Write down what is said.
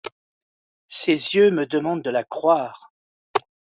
Ses yeux me demandent de la croire.